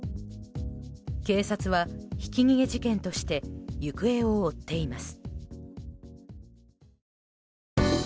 警察は、ひき逃げ事件として行方を追っています。